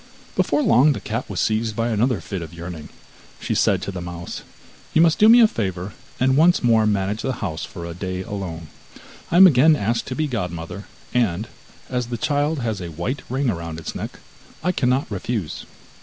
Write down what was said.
Before long the cat was seized by another fit of yearning. She said to the mouse: 'You must do me a favour, and once more manage the house for a day alone. I am again asked to be godmother, and, as the child has a white ring round its neck, I cannot refuse.